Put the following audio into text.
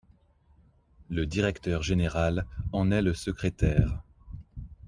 Le directeur général en est le secrétaire.